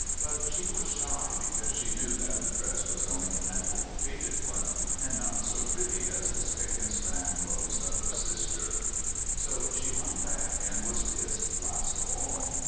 But she was shy because she knew that her dress was only an old faded one, and not so pretty as the spick and span clothes of her sisters. So she hung back and was kissed last of all.